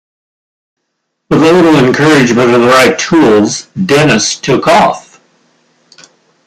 With a little encouragement, and the right tools, Dennis took off.